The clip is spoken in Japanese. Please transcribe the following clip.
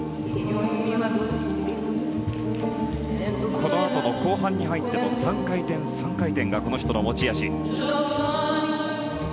このあとも後半に入っても３回転、３回転がこの人の持ち味。